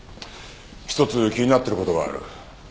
一つ気になっている事がある。